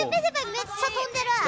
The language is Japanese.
めっちゃ飛んでる。